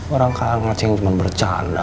orang kakak ngaceng cuman bercanda